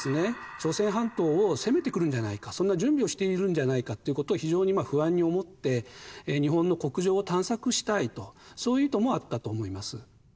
朝鮮半島を攻めてくるんじゃないかそんな準備をしているんじゃないかっていうことを非常に不安に思って日本の国情を探索したいとそういう意図もあったと思います。